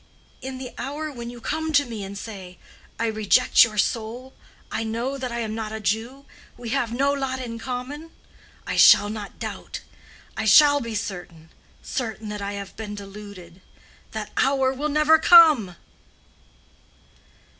In the hour when you come to me and say, 'I reject your soul: I know that I am not a Jew: we have no lot in common'—I shall not doubt. I shall be certain—certain that I have been deluded. That hour will never come!"